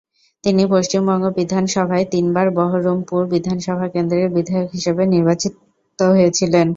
তিনি পশ্চিমবঙ্গ বিধানসভায় তিনবার বহরমপুর বিধানসভা কেন্দ্রের বিধায়ক হিসেবে নির্বাচিত হয়েছিলেন।